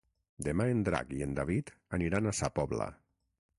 Demà en Drac i en David aniran a Sa Pobla.